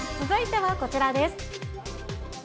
続いてはこちらです。